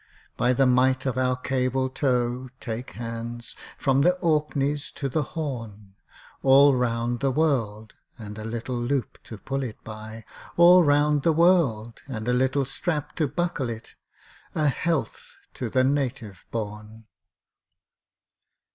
By the might of our cable tow (Take hands!), From the Orkneys to the Horn, All round the world (and a little loop to pull it by), All round the world (and a little strap to buckle it), A health to the Native born!